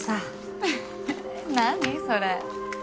え何それ。